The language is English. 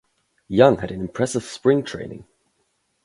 Young had an impressive spring training.